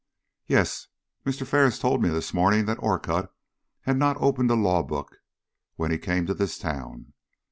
"Yes; Mr. Ferris told me this morning that Orcutt had not opened a law book when he came to this town.